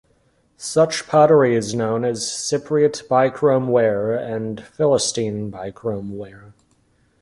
Such pottery is known as Cypriot Bichrome ware, and Philistine Bichrome ware.